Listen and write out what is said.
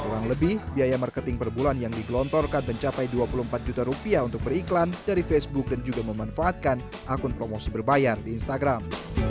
kurang lebih biaya marketing per bulan yang digelontorkan mencapai dua puluh empat juta rupiah untuk beriklan dari facebook dan juga memanfaatkan akun promosi berbayar di instagram